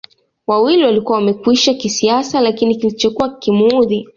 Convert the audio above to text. wawili walikuwa wamekwisha kisiasa Lakini kilichokuwa kikimuudhi